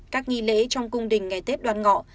các nghi lễ trong cung đình ngày tết đoàn ngọ